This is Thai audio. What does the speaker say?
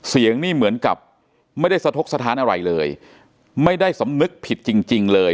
เสียงนี่เหมือนกับไม่ได้สะทกสถานอะไรเลยไม่ได้สำนึกผิดจริงจริงเลย